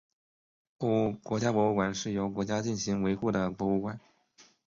国家博物馆是由国家进行维护的博物馆。